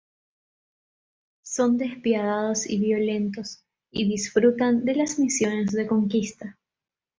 Son despiadados y violentos, y disfrutan de las misiones de conquista.